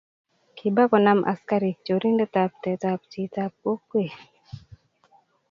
kiba konam askarik chorindetab tetab chitab kokwe